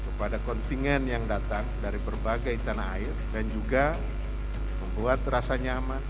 kepada kontingen yang datang dari berbagai tanah air dan juga membuat rasa nyaman